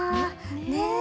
ねえ。